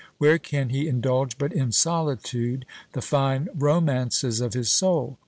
Where can he indulge but in solitude the fine romances of his soul?